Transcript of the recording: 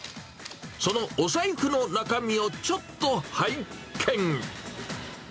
そのお財布の中身をちょっと拝見。